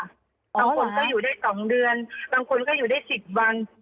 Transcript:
บางคนก็อยู่ได้๒เดือนบางคนก็อยู่ได้๑๐วัน